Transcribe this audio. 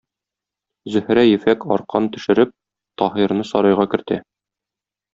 Зөһрә ефәк аркан төшереп, Таһирны сарайга кертә.